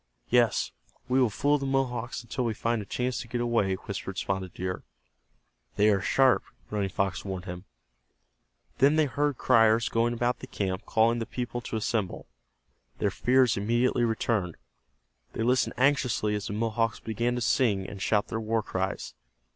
"Yes, we will fool the Mohawks until we find a chance to get away," whispered Spotted Deer. "They are sharp," Running Fox warned him. Then they heard criers going about the camp calling the people to assemble. Their fears immediately returned. They listened anxiously as the Mohawks began to sing, and shout their war cries.